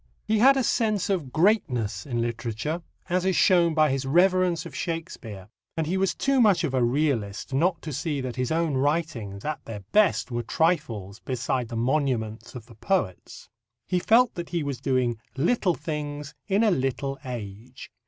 He had a sense of greatness in literature, as is shown by his reverence of Shakespeare, and he was too much of a realist not to see that his own writings at their best were trifles beside the monuments of the poets. He felt that he was doing little things in a little age.